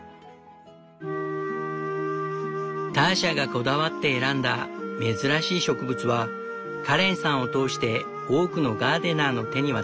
ターシャがこだわって選んだ珍しい植物はカレンさんを通して多くのガーデナーの手に渡った。